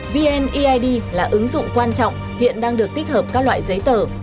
vneid là ứng dụng quan trọng hiện đang được tích hợp các loại giấy tờ